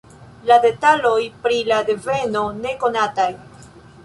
La detaloj pri la deveno ne konataj.